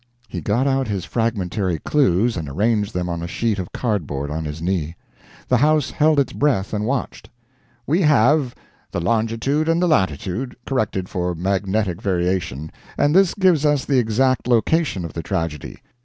He got out his fragmentary clues and arranged them on a sheet of cardboard on his knee. The house held its breath and watched. "We have the longitude and the latitude, corrected for magnetic variation, and this gives us the exact location of the tragedy.